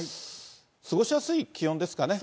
過ごしやすい気温ですかね。